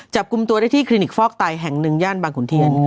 จับกลุ่มตัวได้ที่คลินิกฟอกไตแห่งหนึ่งย่านบางขุนเทียน